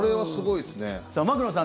牧野さん